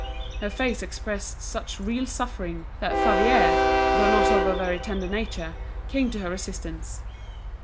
Her face expressed such real suffering, that Favier, though not of a very tender nature, came to her assistance.